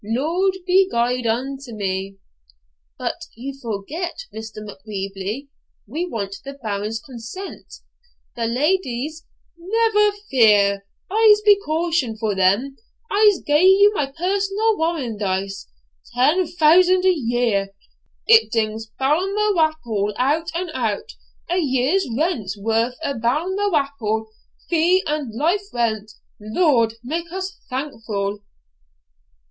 Lord be gude unto me!' 'But you forget, Mr. Macwheeble, we want the Baron's consent the lady's ' 'Never fear, I'se be caution for them; I'se gie you my personal warrandice. Ten thousand a year! it dings Balmawhapple out and out a year's rent's worth a' Balmawhapple, fee and life rent! Lord make us thankful!'